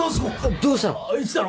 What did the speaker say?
どうしたの！？